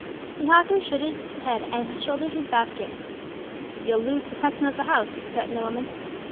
The hawker shook his head, and shouldered his basket. "You'll lose the custom of the house," threatened the woman.